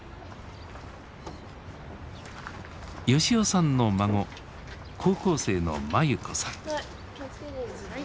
吉男さんの孫高校生の眞優子さん。